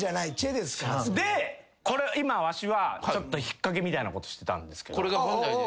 でこれ今わしはちょっと引っかけみたいなことしてたんですけど。